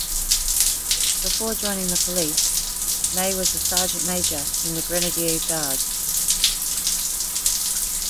Before joining the police, May was a sergeant major in the Grenadier Guards.